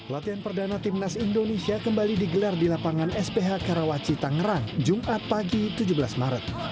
latihan perdana timnas indonesia kembali digelar di lapangan sph karawaci tangerang jumat pagi tujuh belas maret